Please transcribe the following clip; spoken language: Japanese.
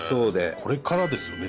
これからですよね